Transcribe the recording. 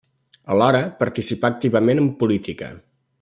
Alhora, participà activament en política.